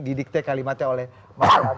didikte kalimatnya oleh mas arif